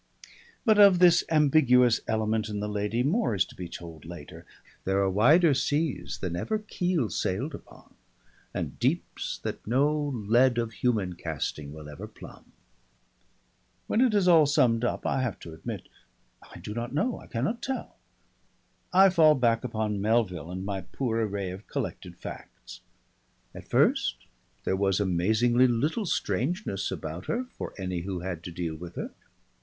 But of this ambiguous element in the lady, more is to be told later. There are wider seas than ever keel sailed upon, and deeps that no lead of human casting will ever plumb. When it is all summed up, I have to admit, I do not know, I cannot tell. I fall back upon Melville and my poor array of collected facts. At first there was amazingly little strangeness about her for any who had to deal with her.